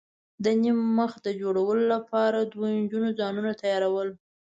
د نیم مخي د جوړولو لپاره دوو نجونو ځانونه تیاراول.